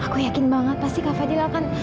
aku yakin banget pasti kafanya akan